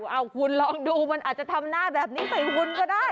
เอาคุณลองดูมันอาจจะทำหน้าแบบนี้ใส่คุณก็ได้